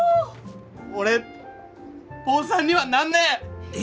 俺坊さんにはなんねえ！